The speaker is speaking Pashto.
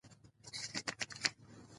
په متني نقد کي د امانت دارۍاصل ساتل کیږي.